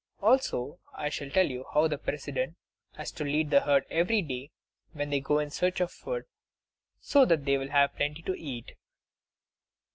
Also, I shall tell you how the President has to lead the herd every day when they go in search of food, so that they will have plenty to eat.